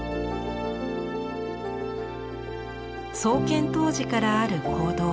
創建当時からある講堂。